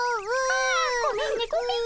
ああごめんねごめんね。